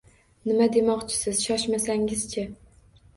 Nima demoqchisiz? Shoshmasangiz-chi!